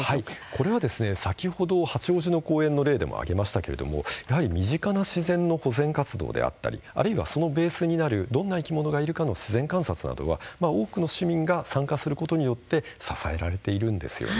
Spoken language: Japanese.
これは先ほど八王子の公園の例でもありましたが身近な自然の保全活動であったりあるいはそのベースになるどんな生き物がいるかなどの自然観察などは多くの市民が参加することで支えられているんです。